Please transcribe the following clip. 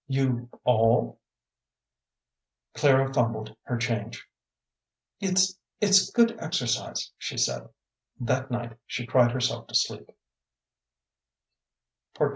"You all " Clara fumbled her change. "It's it's good exercise," she said. That night she cried herself to sleep.